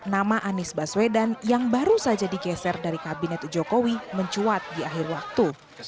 nama anies baswedan yang baru saja digeser dari kabinet jokowi mencuat di akhir waktu